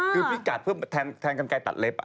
คือพี่กัดเพื่อแทนกันไกลตัดเล็บ